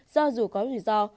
do dù có rủi ro